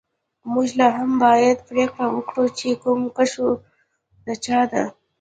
موږ لاهم باید پریکړه وکړو چې کوم کشو د چا ده